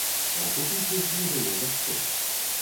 А купіць іх не было за што.